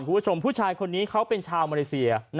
คุณผู้ชมผู้ชายคนนี้เขาเป็นชาวมาเลเซีย